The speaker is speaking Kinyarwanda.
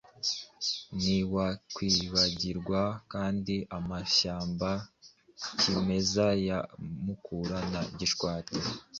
Ntiwakwibagirwa kandi amashyamba kimeza ya Mukura na Gishwati.